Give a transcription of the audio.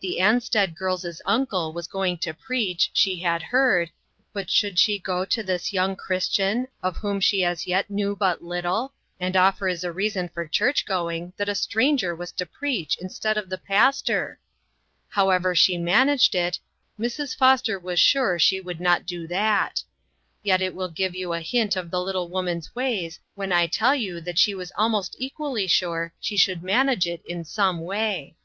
The Ansted girls' uncle was going to preach, she had heard, but should she go to this young Christian, of whom she as yet knew but little, and offer as a reason for church going that a stranger was to preach instead of the pastor ! How LIFTED UP. 85 ever she managed it, Mrs. Foster was sure she would riot do that. Yet it will give you a hint of the little woman's ways when I tell you that she was almost equally sure she should manage it in some way.